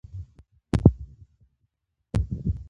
د پسرلی په موسم کې طبیعت ښایسته وي